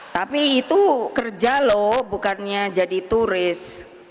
tapi itu kerja loh bukannya jadi turis